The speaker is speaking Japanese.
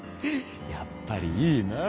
やっぱりいいなあ！